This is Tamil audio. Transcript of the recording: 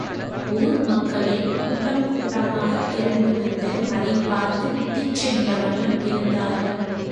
ஊர் மக்களே கூட்டம் கூட்டமாகத் திரண்டு வந்து அதைப்பார்த்து விட்டுச் சென்ற வண்ணம் இருந்தார்கள்.